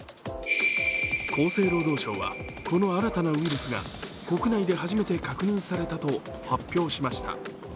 厚生労働省は、この新たなウイルスが、国内で初めて確認されたと発表しました。